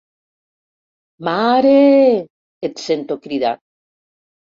Maaareee! –et sento cridar.